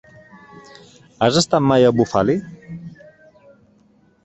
Has estat mai a Bufali?